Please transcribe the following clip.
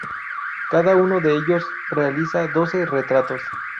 Cada uno de ellos realiza doce retratos.